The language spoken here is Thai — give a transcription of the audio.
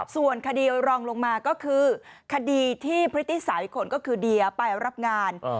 ส่วนคดีรองลงมาก็คือคดีที่พฤติสาวอีกคนก็คือเดียไปรับงาน